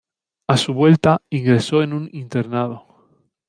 A su vuelta, ingresó en un internado.